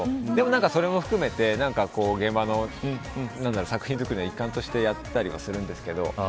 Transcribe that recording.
それも含めて現場の作品作りの一環としてやったりしますが。